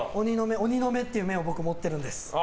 鬼の目っていう目を僕、持ってるんです。